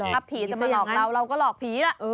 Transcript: ถ้าผีจะมาหลอกเราเราก็หลอกผีล่ะ